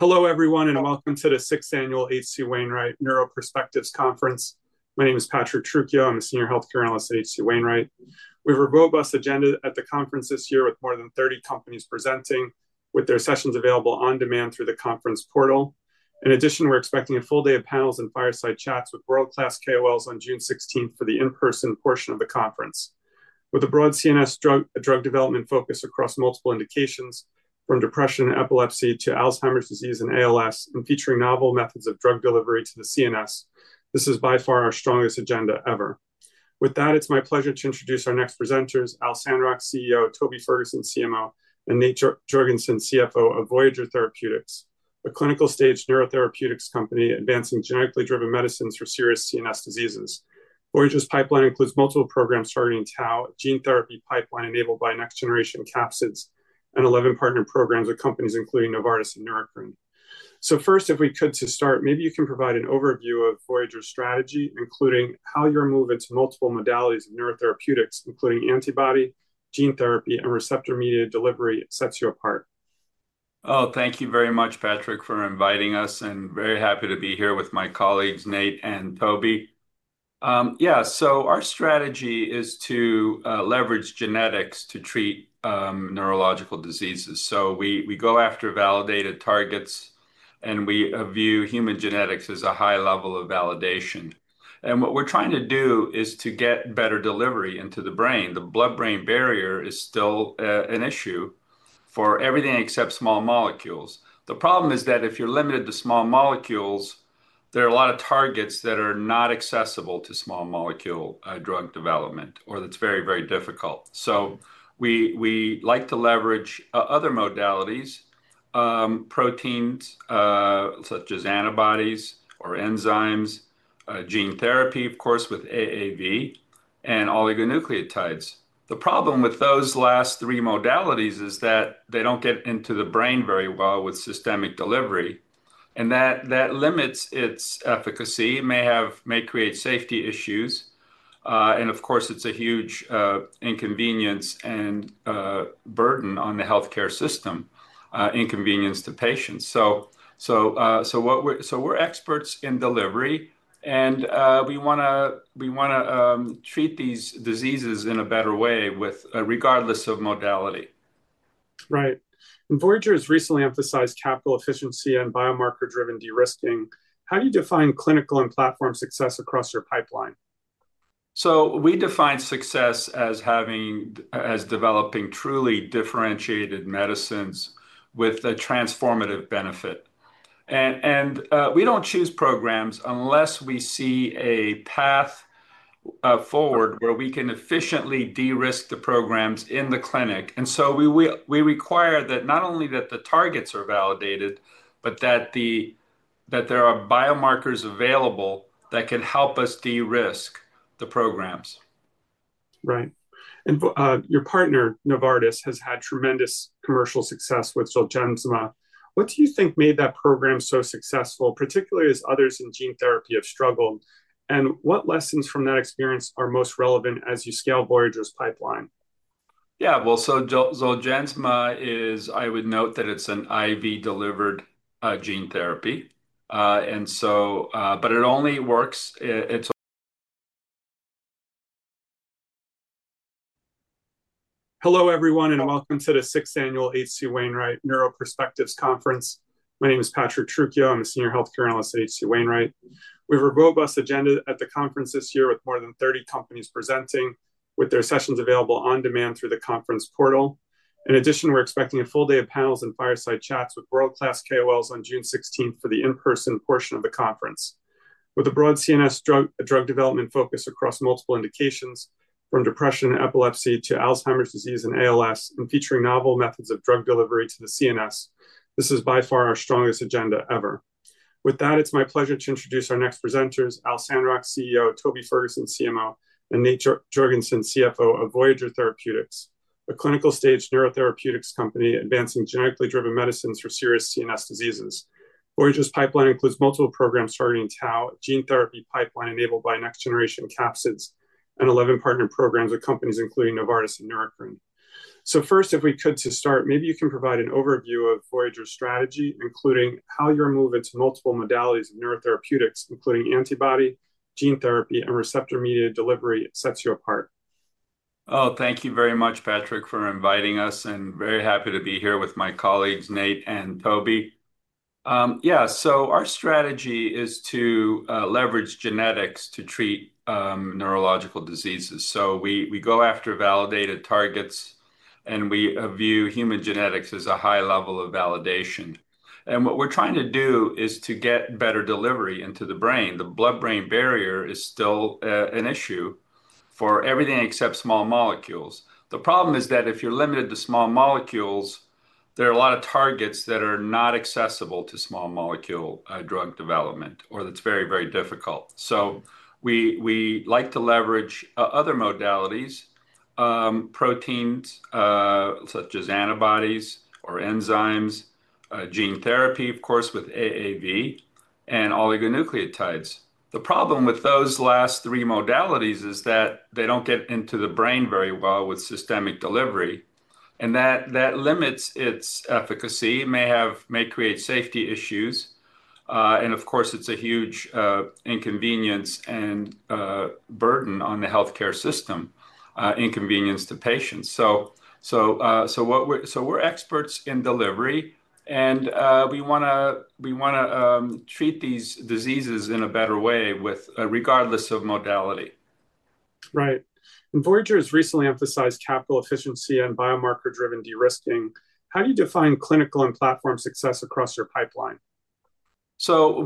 Hello, everyone, and welcome to the sixth annual H.C. Wainwright NeuroPerspectives Conference. My name is Patrick Trucchio. I'm a Senior Healthcare Analyst at H.C. Wainwright. We have a robust agenda at the conference this year, with more than 30 companies presenting, with their sessions available on demand through the conference portal. In addition, we're expecting a full day of panels and fireside chats with world-class KOLs on June 16 for the in-person portion of the conference. With a broad CNS drug development focus across multiple indications, from depression and epilepsy to Alzheimer's disease and ALS, and featuring novel methods of drug delivery to the CNS, this is by far our strongest agenda ever. With that, it's my pleasure to introduce our next presenters: Al Sandrock, CEO; Toby Ferguson, CMO; and Nate Jorgensen, CFO of Voyager Therapeutics, a clinical-stage neurotherapeutics company advancing genetically driven medicines for serious CNS diseases. Voyager's pipeline includes multiple programs starting in tau, a gene therapy pipeline enabled by next-generation capsids, and 11 partner programs with companies including Novartis and Neurocrine. First, if we could start, maybe you can provide an overview of Voyager's strategy, including how your move into multiple modalities of neurotherapeutics, including antibody, gene therapy, and receptor-mediated delivery, sets you apart. Oh, thank you very much, Patrick, for inviting us, and very happy to be here with my colleagues, Nate and Toby. Yeah, our strategy is to leverage genetics to treat neurological diseases. We go after validated targets, and we view human genetics as a high level of validation. What we're trying to do is to get better delivery into the brain. The blood-brain barrier is still an issue for everything except small molecules. The problem is that if you're limited to small molecules, there are a lot of targets that are not accessible to small molecule drug development, or that's very, very difficult. We like to leverage other modalities, proteins such as antibodies or enzymes, gene therapy, of course, with AAV, and oligonucleotides. The problem with those last three modalities is that they do not get into the brain very well with systemic delivery, and that limits its efficacy, may create safety issues. Of course, it is a huge inconvenience and burden on the healthcare system, inconvenience to patients. We are experts in delivery, and we want to treat these diseases in a better way, regardless of modality. Right. Voyager has recently emphasized capital efficiency and biomarker-driven de-risking. How do you define clinical and platform success across your pipeline? We define success as developing truly differentiated medicines with a transformative benefit. We do not choose programs unless we see a path forward where we can efficiently de-risk the programs in the clinic. We require that not only that the targets are validated, but that there are biomarkers available that can help us de-risk the programs. Right. Your partner, Novartis, has had tremendous commercial success with ZOLGENSMA. What do you think made that program so successful, particularly as others in gene therapy have struggled? What lessons from that experience are most relevant as you scale Voyager's pipeline? Yeah, ZOLGENSMA is, I would note that it's an IV-delivered gene therapy. And so, but it only works. Hello, everyone, and welcome to the sixth annual H.C. Wainwright NeuroPerspectives Conference. My name is Patrick Trucchio. I'm a Senior Healthcare Analyst at H.C. Wainwright. We have a robust agenda at the conference this year with more than 30 companies presenting, with their sessions available on demand through the conference portal. In addition, we're expecting a full day of panels and fireside chats with world-class KOLs on June 16 for the in-person portion of the conference. With a broad CNS drug development focus across multiple indications, from depression and epilepsy to Alzheimer's disease and ALS, and featuring novel methods of drug delivery to the CNS, this is by far our strongest agenda ever. With that, it's my pleasure to introduce our next presenters: Al Sandrock, CEO; Toby Ferguson, CMO; and Nate Jorgensen, CFO of Voyager Therapeutics, a clinical-stage neurotherapeutics company advancing genetically driven medicines for serious CNS diseases. Voyager's pipeline includes multiple programs starting in tau, a gene therapy pipeline enabled by next-generation capsids, and 11 partner programs with companies including Novartis and Neurocrine. First, if we could start, maybe you can provide an overview of Voyager's strategy, including how your move into multiple modalities of neurotherapeutics, including antibody, gene therapy, and receptor-mediated delivery, sets you apart. Oh, thank you very much, Patrick, for inviting us, and very happy to be here with my colleagues, Nate and Toby. Yeah, so our strategy is to leverage genetics to treat neurological diseases. We go after validated targets, and we view human genetics as a high level of validation. What we're trying to do is to get better delivery into the brain. The blood-brain barrier is still an issue for everything except small molecules. The problem is that if you're limited to small molecules, there are a lot of targets that are not accessible to small molecule drug development, or that's very, very difficult. We like to leverage other modalities, proteins such as antibodies or enzymes, gene therapy, of course, with AAV, and oligonucleotides. The problem with those last three modalities is that they don't get into the brain very well with systemic delivery, and that limits its efficacy, may create safety issues, and of course, it's a huge inconvenience and burden on the healthcare system, inconvenience to patients. We're experts in delivery, and we want to treat these diseases in a better way, regardless of modality. Right. Voyager has recently emphasized capital efficiency and biomarker-driven de-risking. How do you define clinical and platform success across your pipeline?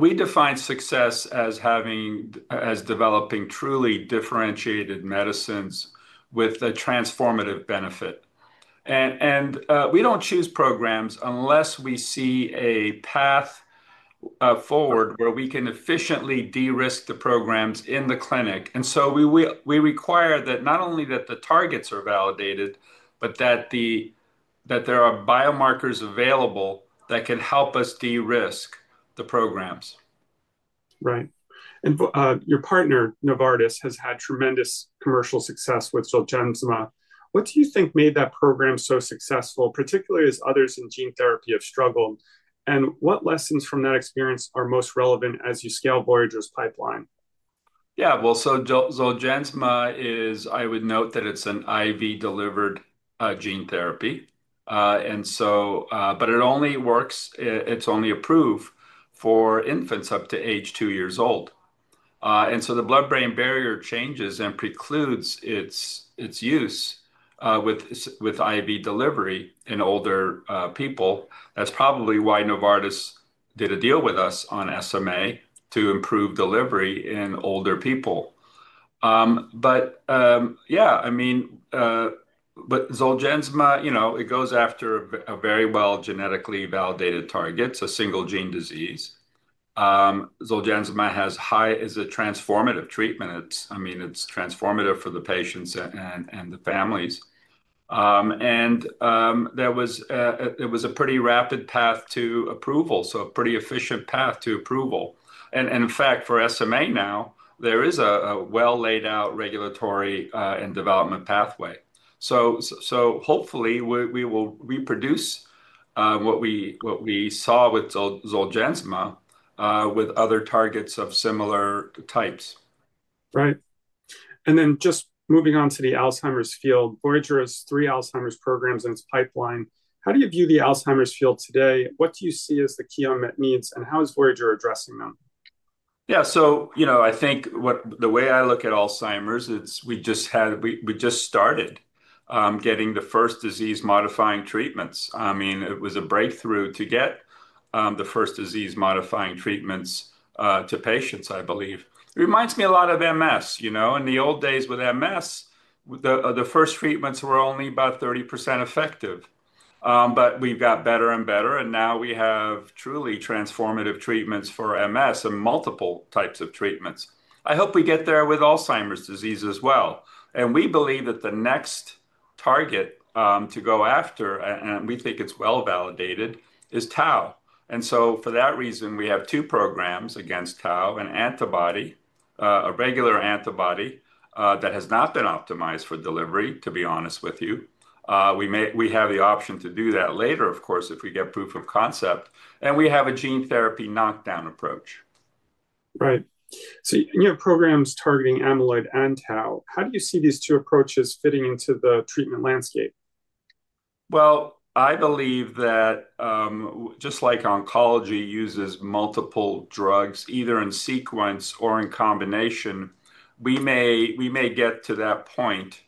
We define success as developing truly differentiated medicines with a transformative benefit. We do not choose programs unless we see a path forward where we can efficiently de-risk the programs in the clinic. We require that not only that the targets are validated, but that there are biomarkers available that can help us de-risk the programs. Right. Your partner, Novartis, has had tremendous commercial success with ZOLGENSMA. What do you think made that program so successful, particularly as others in gene therapy have struggled? What lessons from that experience are most relevant as you scale Voyager's pipeline? Yeah, well, so ZOLGENSMA is, I would note that it's an IV-delivered gene therapy. And so, but it only works, it's only approved for infants up to age two years old. And so the blood-brain barrier changes and precludes its use with IV delivery in older people. That's probably why Novartis did a deal with us on SMA to improve delivery in older people. But yeah, I mean, but ZOLGENSMA, you know, it goes after a very well genetically validated target, a single gene disease. ZOLGENSMA is a transformative treatment. I mean, it's transformative for the patients and the families. And there was a pretty rapid path to approval, so a pretty efficient path to approval. In fact, for SMA now, there is a well-laid out regulatory and development pathway. So hopefully, we will reproduce what we saw with ZOLGENSMA with other targets of similar types. Right. And then just moving on to the Alzheimer's field, Voyager has three Alzheimer's programs in its pipeline. How do you view the Alzheimer's field today? What do you see as the key unmet needs, and how is Voyager addressing them? Yeah, so you know, I think the way I look at Alzheimer's, we just started getting the first disease-modifying treatments. I mean, it was a breakthrough to get the first disease-modifying treatments to patients, I believe. It reminds me a lot of MS, you know, in the old days with MS, the first treatments were only about 30% effective. But we've got better and better, and now we have truly transformative treatments for MS and multiple types of treatments. I hope we get there with Alzheimer's disease as well. We believe that the next target to go after, and we think it's well validated, is tau. For that reason, we have two programs against tau, an antibody, a regular antibody that has not been optimized for delivery, to be honest with you. We have the option to do that later, of course, if we get proof of concept. We have a gene therapy knockdown approach. Right. So in your programs targeting amyloid and tau, how do you see these two approaches fitting into the treatment landscape? I believe that just like oncology uses multiple drugs, either in sequence or in combination, we may get to that point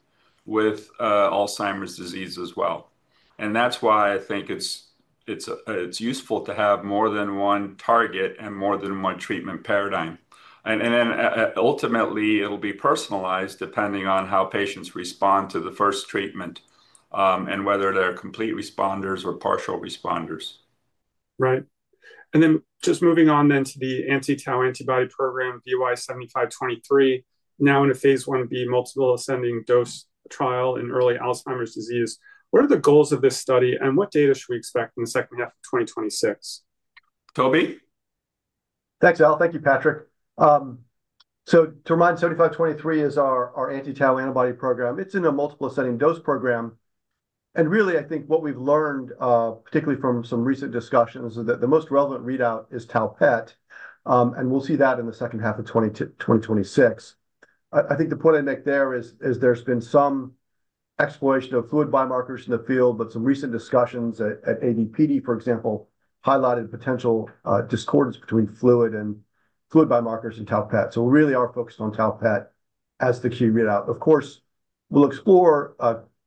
with Alzheimer's disease as well. That is why I think it's useful to have more than one target and more than one treatment paradigm. Ultimately, it'll be personalized depending on how patients respond to the first treatment and whether they're complete responders or partial responders. Right. And then just moving on then to the anti-tau antibody program, VY7523, now in a phase I-B multiple ascending dose trial in early Alzheimer's disease. What are the goals of this study, and what data should we expect in the second half of 2026? Toby? Thanks, Al. Thank you, Patrick. To remind, 7523 is our anti-tau antibody program. It's in a multiple ascending dose program. I think what we've learned, particularly from some recent discussions, is that the most relevant readout is tau PET. We'll see that in the second half of 2026. I think the point I make there is there's been some exploration of fluid biomarkers in the field, but some recent discussions at AD/PD, for example, highlighted potential discordance between fluid biomarkers and tau PET. We really are focused on tau PET as the key readout. Of course, we'll explore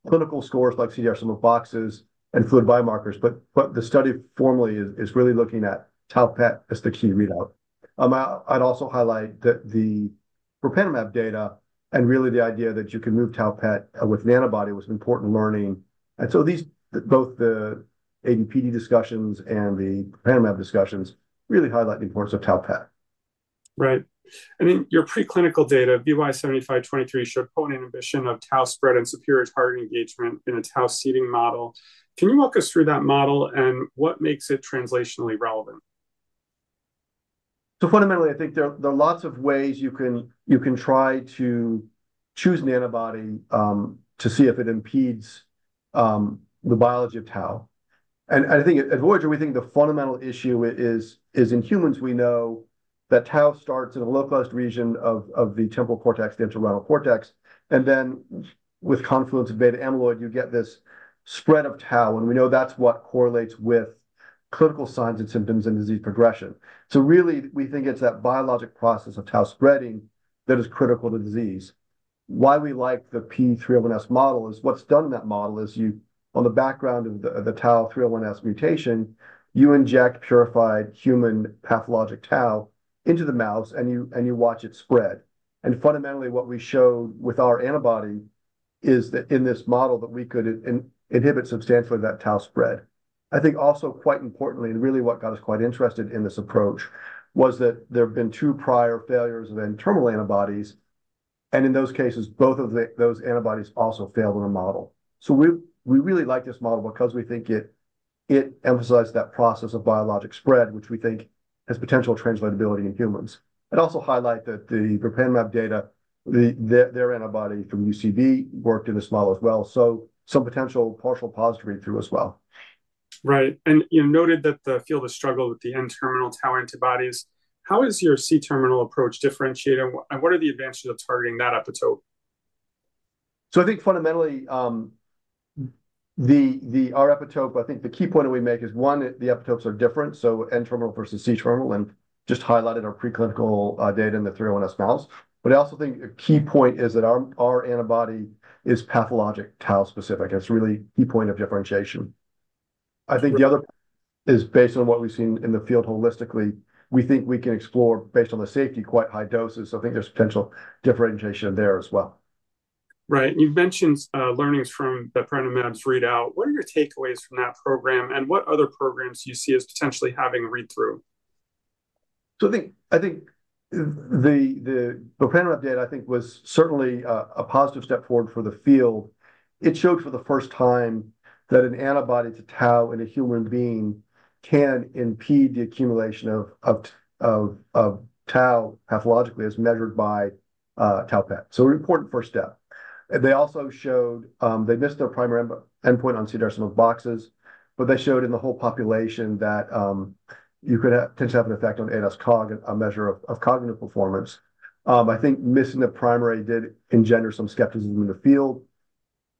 clinical scores like CDR-Sum of Boxes, and fluid biomarkers, but the study formally is really looking at tau PET as the key readout. I'd also highlight that the bepranemab data and really the idea that you can move tau-PET with an antibody was an important learning. Both the AD/PD discussions and the bepranemab discussions really highlight the importance of tau PET. Right. I mean, your preclinical data, VY7523, showed potent inhibition of tau spread and superior target engagement in a tau seeding model. Can you walk us through that model and what makes it translationally relevant? Fundamentally, I think there are lots of ways you can try to choose an antibody to see if it impedes the biology of tau. I think at Voyager, we think the fundamental issue is in humans. We know that tau starts in a localized region of the temporal cortex and the anterolateral cortex. With confluence of beta amyloid, you get this spread of tau. We know that's what correlates with clinical signs and symptoms and disease progression. Really, we think it's that biologic process of tau spreading that is critical to disease. Why we like the P301S model is what's done in that model is on the background of the tau P301S mutation, you inject purified human pathologic tau into the mouse and you watch it spread. Fundamentally, what we showed with our antibody is that in this model, we could inhibit substantially that tau spread. I think also quite importantly, and really what got us quite interested in this approach was that there have been two prior failures of internal antibodies. In those cases, both of those antibodies also failed in the model. We really like this model because we think it emphasized that process of biologic spread, which we think has potential translatability in humans. I'd also highlight that the propanamab data, their antibody from UCB, worked in this model as well. Some potential partial positive read-through as well. Right. You noted that the field has struggled with the N-terminal tau antibodies. How is your C-terminal approach differentiated? What are the advantages of targeting that epitope? I think fundamentally, our epitope, I think the key point that we make is one, the epitopes are different. N-terminal versus C-terminal, and just highlighted our preclinical data in the 301S mouse. I also think a key point is that our antibody is pathologic tau specific. It's really a key point of differentiation. I think the other is based on what we've seen in the field holistically. We think we can explore, based on the safety, quite high doses. I think there's potential differentiation there as well. Right. You have mentioned learnings from the bepranemab's readout. What are your takeaways from that program? What other programs do you see as potentially having a read-through? I think the bepranemab data, I think, was certainly a positive step forward for the field. It showed for the first time that an antibody to tau in a human being can impede the accumulation of tau pathologically as measured by tau PET. An important first step. They also showed they missed their primary endpoint on CDR-Sum of Boxes, but they showed in the whole population that you could potentially have an effect on ADAS-Cog, a measure of cognitive performance. I think missing the primary did engender some skepticism in the field.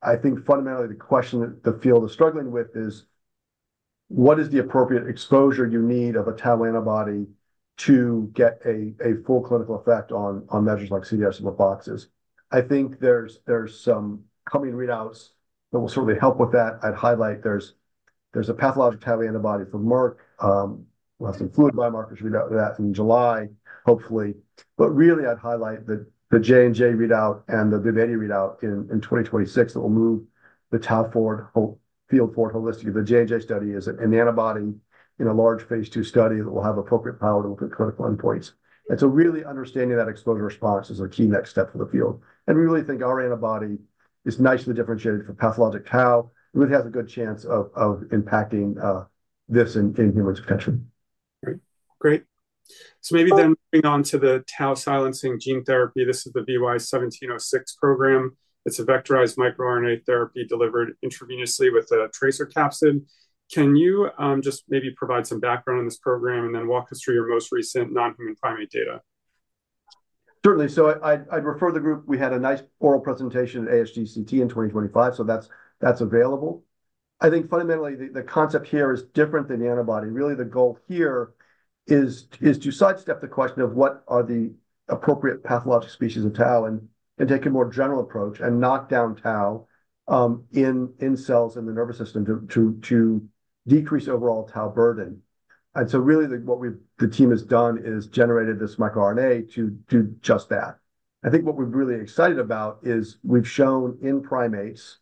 I think fundamentally, the question the field is struggling with is what is the appropriate exposure you need of a tau antibody to get a full clinical effect on measures like CDR-Sum of Boxes. I think there are some coming readouts that will certainly help with that. I'd highlight there's a pathologic tau antibody for Merck. We'll have some fluid biomarkers readout of that in July, hopefully. I'd highlight the J&J readout and the BIIB080 readout in 2026 that will move the tau field forward holistically. The J&J study is an antibody in a large phase two study that will have appropriate power to look at clinical endpoints. Really understanding that exposure response is a key next step for the field. We really think our antibody is nicely differentiated for pathologic tau. It really has a good chance of impacting this in humans potentially. Great. Maybe then moving on to the tau silencing gene therapy. This is the VY1706 program. It's a vectorized microRNA therapy delivered intravenously with a TRACER capsid. Can you just maybe provide some background on this program and then walk us through your most recent non-human primate data? Certainly. I'd refer the group. We had a nice oral presentation at ASGCT in 2025, so that's available. I think fundamentally, the concept here is different than the antibody. Really, the goal here is to sidestep the question of what are the appropriate pathologic species of tau and take a more general approach and knock down tau in cells in the nervous system to decrease overall tau burden. What the team has done is generated this microRNA to do just that. I think what we're really excited about is we've shown in primates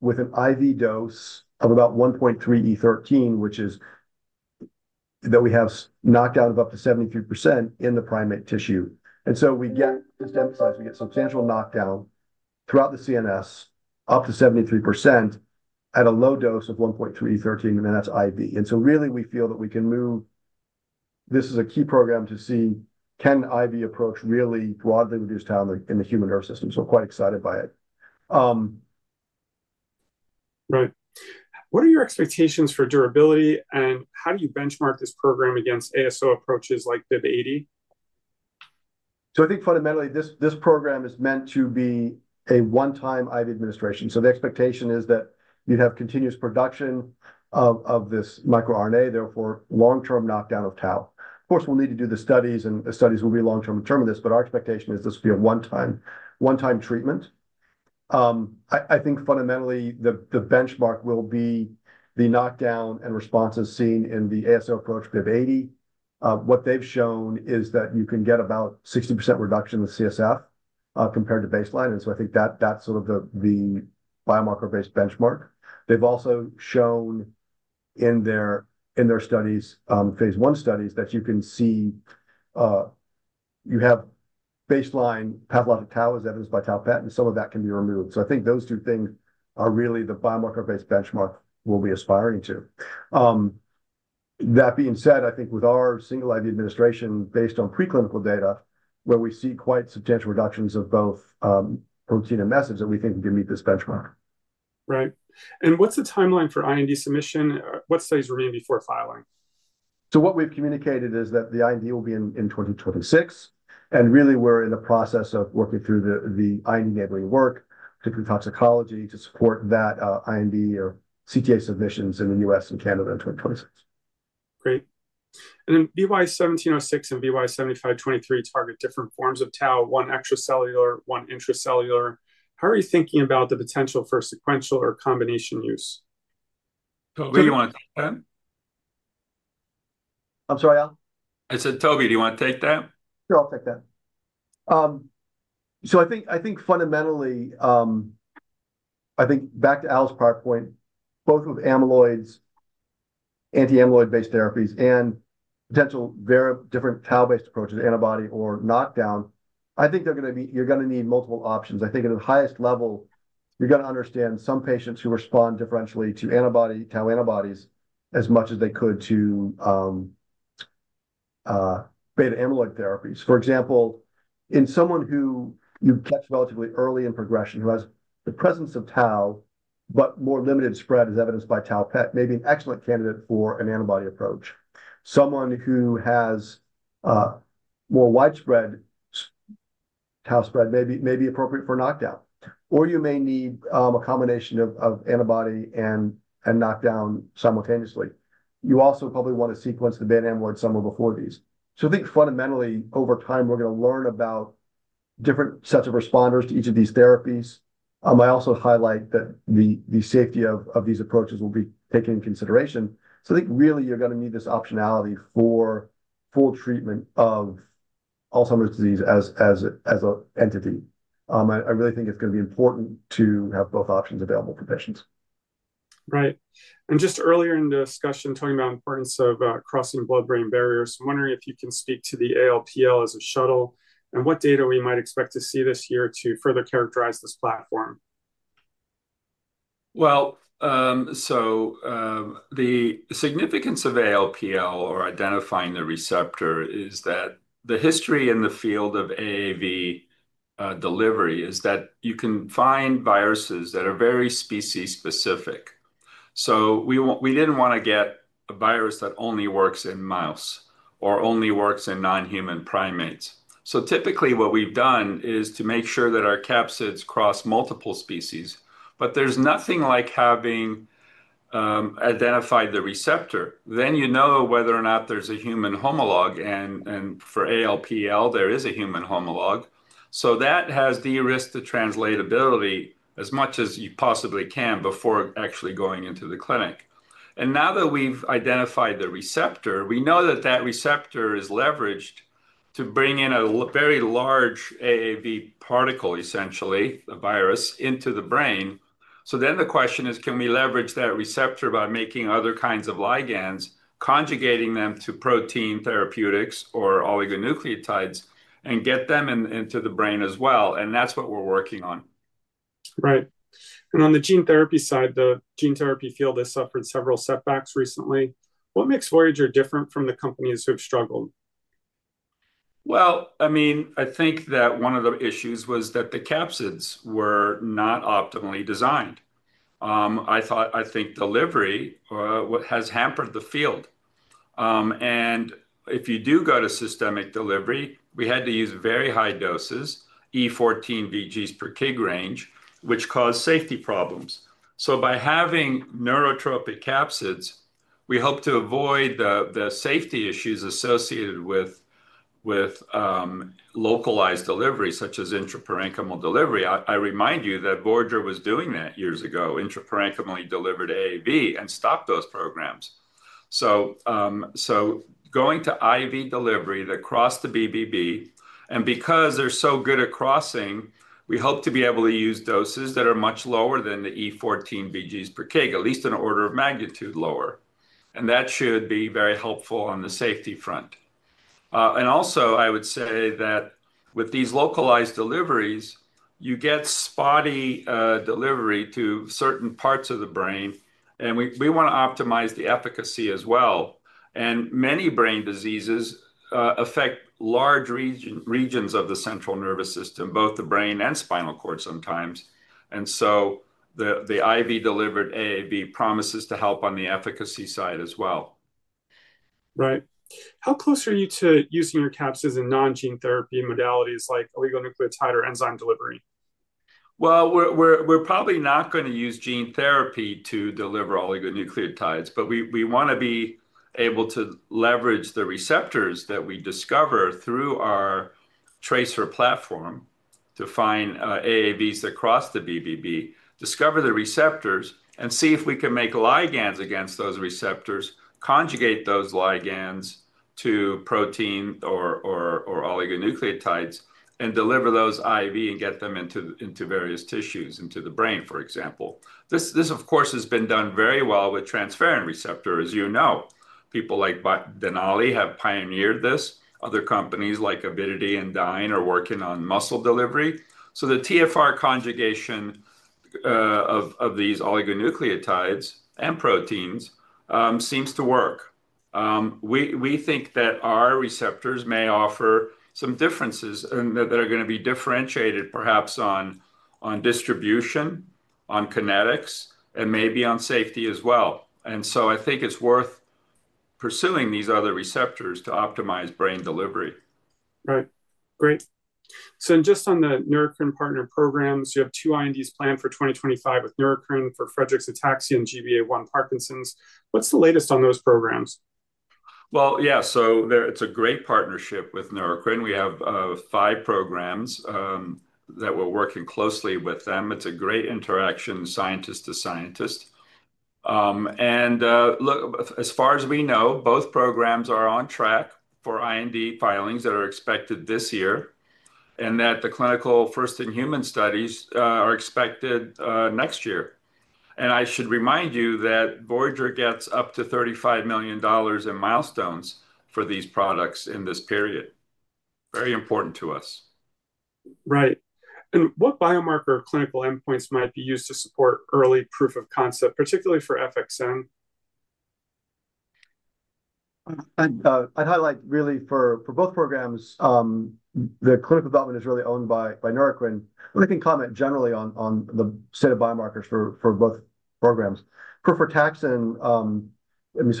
with an IV dose of about 1.3 E13, that we have knockdown of up to 73% in the primate tissue. We get, just to emphasize, substantial knockdown throughout the CNS up to 73% at a low dose of 1.3 E13, and that's IV. We feel that we can move this as a key program to see can IV approach really broadly reduce tau in the human nervous system. So quite excited by it. Right. What are your expectations for durability and how do you benchmark this program against ASO approaches like BIIB080? I think fundamentally, this program is meant to be a one-time IV administration. The expectation is that you'd have continuous production of this microRNA, therefore long-term knockdown of tau. Of course, we'll need to do the studies, and the studies will be long-term to determine this, but our expectation is this will be a one-time treatment. I think fundamentally, the benchmark will be the knockdown and responses seen in the ASO approach BIIB080. What they've shown is that you can get about 60% reduction in the CSF compared to baseline. I think that's sort of the biomarker-based benchmark. They've also shown in their studies, phase one studies, that you can see you have baseline pathologic tau as evidenced by tau PET, and some of that can be removed. I think those two things are really the biomarker-based benchmark we'll be aspiring to. That being said, I think with our single IV administration based on preclinical data, where we see quite substantial reductions of both protein and message, that we think we can meet this benchmark. Right. What's the timeline for IND submission? What studies remain before filing? What we've communicated is that the IND will be in 2026. And really, we're in the process of working through the IND enabling work, particularly toxicology, to support that IND or CTA submissions in the U.S. and Canada in 2026. Great. And then VY1706 and VY7523 target different forms of tau, one extracellular, one intracellular. How are you thinking about the potential for sequential or combination use? Toby, do you want to take that? I'm sorry, Al? I said, Toby, do you want to take that? Sure, I'll take that. I think fundamentally, I think back to Al's prior point, both with amyloids, anti-amyloid-based therapies and potential different tau-based approaches, antibody or knockdown, I think you're going to need multiple options. I think at the highest level, you're going to understand some patients who respond differentially to antibody, tau antibodies as much as they could to beta amyloid therapies. For example, in someone who you catch relatively early in progression, who has the presence of tau, but more limited spread as evidenced by tau PET, may be an excellent candidate for an antibody approach. Someone who has more widespread tau spread may be appropriate for knockdown. Or you may need a combination of antibody and knockdown simultaneously. You also probably want to sequence the beta amyloid somewhere before these. I think fundamentally, over time, we're going to learn about different sets of responders to each of these therapies. I also highlight that the safety of these approaches will be taken into consideration. I think really you're going to need this optionality for full treatment of Alzheimer's disease as an entity. I really think it's going to be important to have both options available for patients. Right. Just earlier in the discussion, talking about the importance of crossing blood-brain barriers, I'm wondering if you can speak to the ALPL as a shuttle and what data we might expect to see this year to further characterize this platform. The significance of ALPL or identifying the receptor is that the history in the field of AAV delivery is that you can find viruses that are very species-specific. We did not want to get a virus that only works in mouse or only works in non-human primates. Typically what we have done is to make sure that our capsids cross multiple species, but there is nothing like having identified the receptor. Then you know whether or not there is a human homologue. For ALPL, there is a human homologue. That has the risk to translatability as much as you possibly can before actually going into the clinic. Now that we have identified the receptor, we know that that receptor is leveraged to bring in a very large AAV particle, essentially a virus, into the brain. The question is, can we leverage that receptor by making other kinds of ligands, conjugating them to protein therapeutics or oligonucleotides and get them into the brain as well? That is what we are working on. Right. On the gene therapy side, the gene therapy field has suffered several setbacks recently. What makes Voyager different from the companies who have struggled? I mean, I think that one of the issues was that the capsids were not optimally designed. I think delivery has hampered the field. If you do go to systemic delivery, we had to use very high doses, E14 VGs per kg range, which caused safety problems. By having neurotropic capsids, we hope to avoid the safety issues associated with localized delivery, such as intraparenchymal delivery. I remind you that Voyager was doing that years ago, intraparenchymally delivered AAV and stopped those programs. Going to IV delivery that crossed the BBB, and because they are so good at crossing, we hope to be able to use doses that are much lower than the E14 VGs per kg, at least an order of magnitude lower. That should be very helpful on the safety front. I would say that with these localized deliveries, you get spotty delivery to certain parts of the brain. We want to optimize the efficacy as well. Many brain diseases affect large regions of the central nervous system, both the brain and spinal cord sometimes. The IV-delivered AAV promises to help on the efficacy side as well. Right. How close are you to using your capsids in non-gene therapy modalities like oligonucleotide or enzyme delivery? We're probably not going to use gene therapy to deliver oligonucleotides, but we want to be able to leverage the receptors that we discover through our TRACER platform to find AAVs across the blood-brain barrier, discover the receptors, and see if we can make ligands against those receptors, conjugate those ligands to protein or oligonucleotides, and deliver those AAV and get them into various tissues, into the brain, for example. This, of course, has been done very well with transferrin receptor, as you know. People like Denali have pioneered this. Other companies like Avidity and Dyne are working on muscle delivery. The TFR conjugation of these oligonucleotides and proteins seems to work. We think that our receptors may offer some differences that are going to be differentiated perhaps on distribution, on kinetics, and maybe on safety as well. I think it's worth pursuing these other receptors to optimize brain delivery. Right. Great. So then just on the Neurocrine partner programs, you have two INDs planned for 2025 with Neurocrine for Friedreich's ataxia and GBA1 Parkinson's. What's the latest on those programs? Yeah, so it's a great partnership with Neurocrine. We have five programs that we're working closely with them. It's a great interaction, scientist to scientist. As far as we know, both programs are on track for IND filings that are expected this year, and that the clinical first-in-human studies are expected next year. I should remind you that Voyager gets up to $35 million in milestones for these products in this period. Very important to us. Right. What biomarker clinical endpoints might be used to support early proof of concept, particularly for FXN? I'd highlight really for both programs, the clinical development is really owned by Neurocrine. I can comment generally on the set of biomarkers for both programs. For frataxin, it's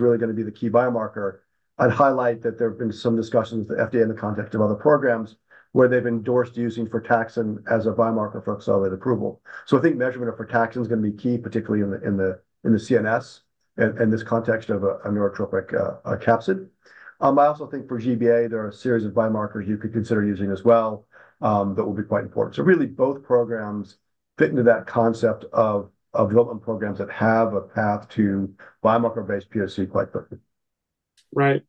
really going to be the key biomarker. I'd highlight that there have been some discussions with the FDA in the context of other programs where they've endorsed using frataxin as a biomarker for accelerated approval. I think measurement of frataxin is going to be key, particularly in the CNS and this context of a neurotropic capsid. I also think for GBA, there are a series of biomarkers you could consider using as well that will be quite important. Really, both programs fit into that concept of development programs that have a path to biomarker-based POC quite quickly. Right.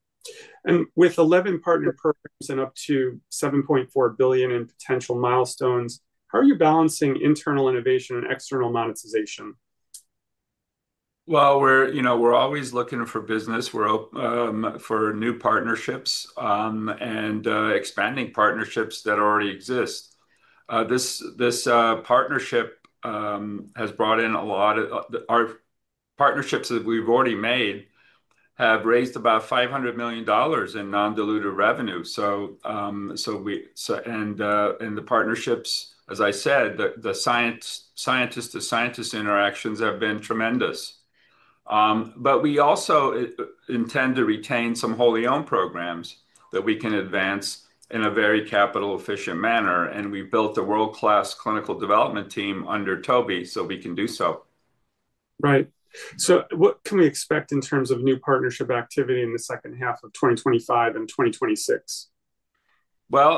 With 11 partner programs and up to $7.4 billion in potential milestones, how are you balancing internal innovation and external monetization? We're always looking for business, for new partnerships, and expanding partnerships that already exist. This partnership has brought in a lot of our partnerships that we've already made have raised about $500 million in non-diluted revenue. The partnerships, as I said, the scientist-to-scientist interactions have been tremendous. We also intend to retain some wholly owned programs that we can advance in a very capital-efficient manner. We've built a world-class clinical development team under Toby, so we can do so. Right. So what can we expect in terms of new partnership activity in the second half of 2025 and 2026?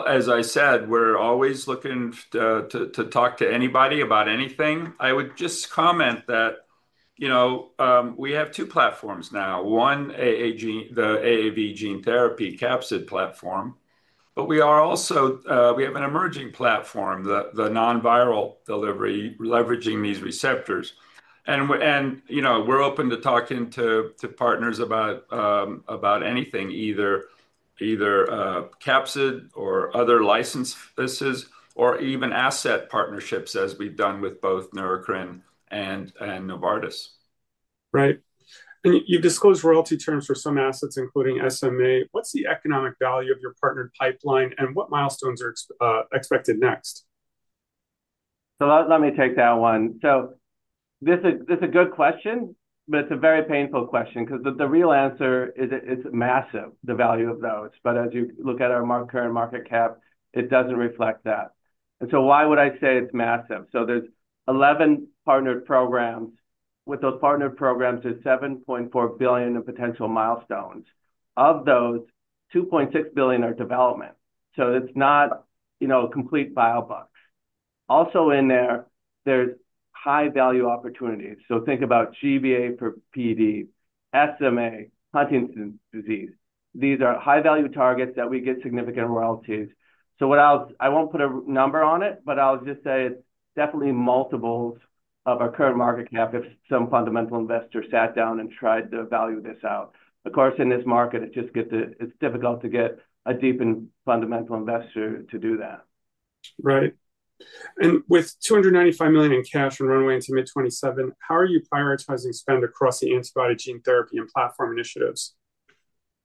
As I said, we're always looking to talk to anybody about anything. I would just comment that we have two platforms now. One, the AAV gene therapy capsid platform. We have an emerging platform, the non-viral delivery leveraging these receptors. We're open to talking to partners about anything, either capsid or other licensed businesses, or even asset partnerships as we've done with both Neurocrine and Novartis. Right. You've disclosed royalty terms for some assets, including SMA. What's the economic value of your partnered pipeline, and what milestones are expected next? Let me take that one. This is a good question, but it's a very painful question because the real answer is it's massive, the value of those. As you look at our current market cap, it doesn't reflect that. Why would I say it's massive? There are 11 partnered programs. With those partnered programs, there's $7.4 billion in potential milestones. Of those, $2.6 billion are development. It's not a complete buy box. Also in there, there are high-value opportunities. Think about GBA for PD, SMA, Huntington's disease. These are high-value targets that we get significant royalties. I won't put a number on it, but I'll just say it's definitely multiples of our current market cap if some fundamental investor sat down and tried to value this out. Of course, in this market, it's difficult to get a deepened fundamental investor to do that. Right. With $295 million in cash and runway into mid-2027, how are you prioritizing spend across the antibody, gene therapy, and platform initiatives?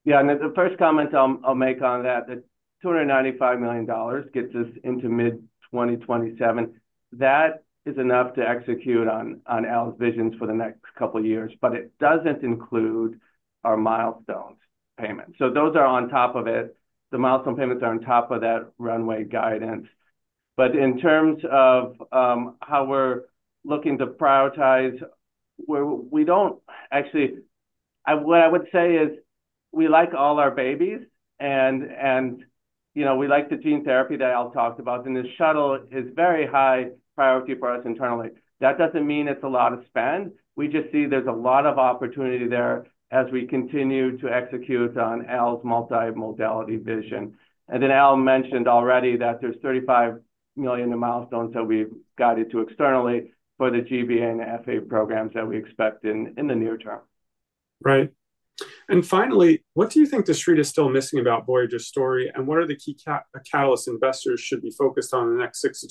Yeah, and the first comment I'll make on that, the $295 million gets us into mid-2027. That is enough to execute on Al's visions for the next couple of years, but it doesn't include our milestone payments. Those are on top of it. The milestone payments are on top of that runway guidance. In terms of how we're looking to prioritize, we don't actually—what I would say is we like all our babies, and we like the gene therapy that Al talked about. The shuttle is a very high priority for us internally. That doesn't mean it's a lot of spend. We just see there's a lot of opportunity there as we continue to execute on Al's multi-modality vision. Al mentioned already that there's $35 million in milestones that we've guided to externally for the GBA and FA programs that we expect in the near term. Right. Finally, what do you think the street is still missing about Voyager's story, and what are the key catalysts investors should be focused on in the next six to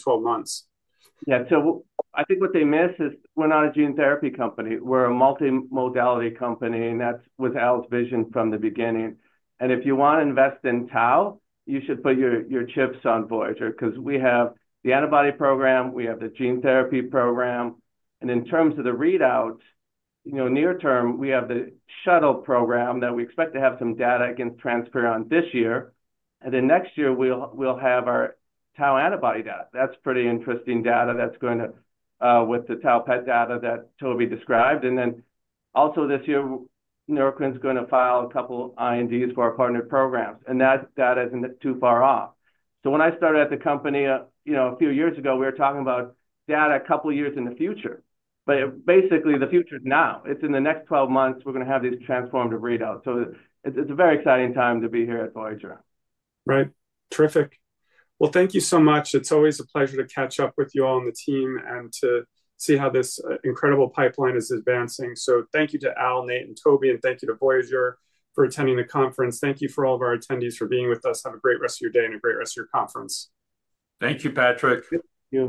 12 months? Yeah, so I think what they miss is we're not a gene therapy company. We're a multi-modality company, and that's with Al's vision from the beginning. If you want to invest in tau, you should put your chips on Voyager because we have the antibody program, we have the gene therapy program. In terms of the readouts, near term, we have the shuttle program that we expect to have some data again transferred on this year. Next year, we'll have our tau antibody data. That's pretty interesting data that's going to, with the tau PET data that Toby described. Also this year, Neurocrine is going to file a couple of INDs for our partnered programs. That isn't too far off. When I started at the company a few years ago, we were talking about data a couple of years in the future. Basically, the future is now. It's in the next 12 months, we're going to have these transformative readouts. So it's a very exciting time to be here at Voyager. Right. Terrific. Thank you so much. It's always a pleasure to catch up with you all on the team and to see how this incredible pipeline is advancing. Thank you to Al, Nate, and Toby, and thank you to Voyager for attending the conference. Thank you for all of our attendees for being with us. Have a great rest of your day and a great rest of your conference. Thank you, Patrick.